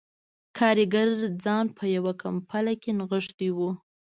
کارګر ځان په یوه کمپله کې نغښتی و